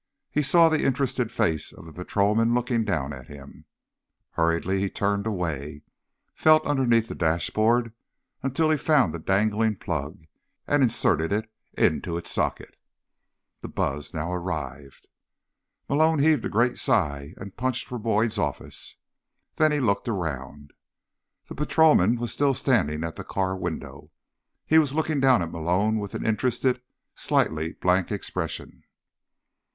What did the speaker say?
He saw the interested face of the patrolman looking down at him. Hurriedly, he turned away, felt underneath the dashboard until he found the dangling plug, and inserted it into its socket. The buzz now arrived. Malone heaved a great sigh and punched for Boyd's office. Then he looked around. The patrolman was still standing at the car window. He was looking down at Malone with an interested, slightly blank expression.